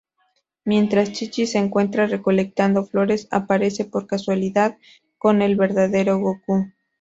Mientras Chi-Chi se encuentra recolectando flores aparece por casualidad con el verdadero Gokū.